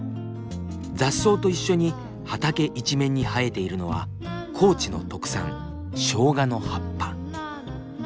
雑草と一緒に畑一面に生えているのは高知の特産しょうがの葉っぱ。